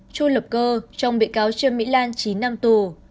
chu lập cơ chồng bị cáo trương mỹ lan chín năm tù